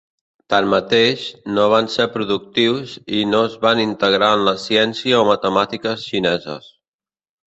Tanmateix, no van ser productius i no es van integrar en la ciència o matemàtiques xineses.